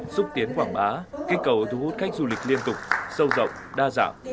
xúc tiến quảng bá kích cầu thu hút khách du lịch liên tục sâu rộng đa dạng